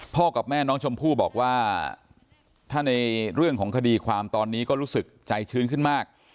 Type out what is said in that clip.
กับแม่น้องชมพู่บอกว่าถ้าในเรื่องของคดีความตอนนี้ก็รู้สึกใจชื้นขึ้นมาก